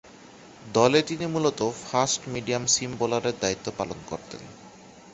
দলে তিনি মূলতঃ ফাস্ট-মিডিয়াম সিম বোলারের দায়িত্ব পালন করতেন।